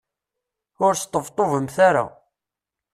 Ur sṭebṭubemt ara.